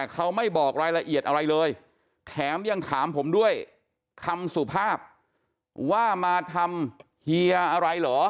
คำสุภาพว่ามาทำเฮียอะไรหรอ